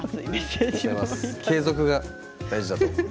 継続が大事だと思います。